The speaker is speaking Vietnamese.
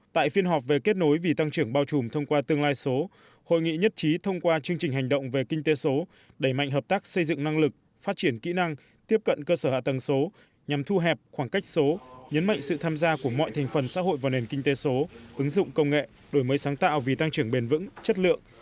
tại phiên họp về kết nối vì tăng trưởng bao trùm thông qua tương lai số hội nghị nhất trí thông qua chương trình hành động về kinh tế số đẩy mạnh hợp tác xây dựng năng lực phát triển kỹ năng tiếp cận cơ sở hạ tầng số nhằm thu hẹp khoảng cách số nhấn mạnh sự tham gia của mọi thành phần xã hội vào nền kinh tế số ứng dụng công nghệ đổi mới sáng tạo vì tăng trưởng bền vững chất lượng